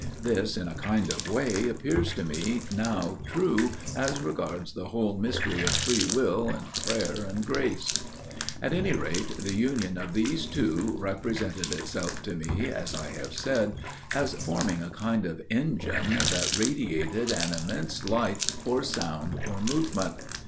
This, in a kind of way, appears to me now true as regards the whole mystery of free will and prayer and grace. "At any rate the union of these two represented itself to me, as I have said, as forming a kind of engine that radiated an immense light or sound or movement.